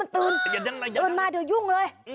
ตื่นมาเดี๋ยวยุ่งเลย